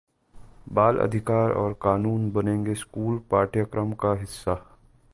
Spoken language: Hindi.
बाल अधिकार और कानून बनेंगे स्कूल पाठयक्रम का हिस्सा